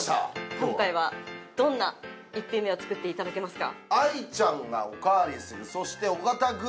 今回はどんな１品目を作っていただけますか？